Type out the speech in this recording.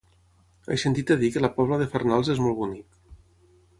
He sentit a dir que la Pobla de Farnals és molt bonic.